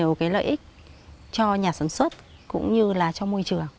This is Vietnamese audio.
nó mang lại nhiều cái lợi ích cho nhà sản xuất cũng như là cho môi trường